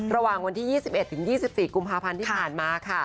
ระหว่างวันที่๒๑๒๔กุมภาพันธ์ที่ผ่านมาค่ะ